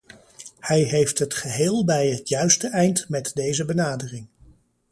Hij heeft het geheel bij het juiste eind met deze benadering.